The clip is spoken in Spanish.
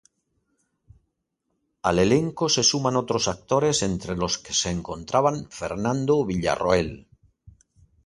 Al elenco se suman otros actores entre los que se encontraba Fernando Villarroel.